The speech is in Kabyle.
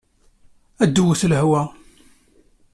Ad tewwet lehwa.